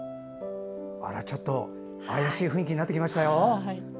あら、ちょっと怪しい雰囲気になってきましたよ。